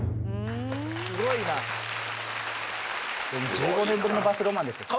１５年ぶりのバスロマンですけど。